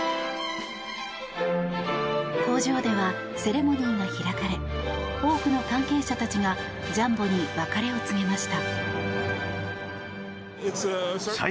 工場ではセレモニーが開かれ多くの関係者たちがジャンボに別れを告げました。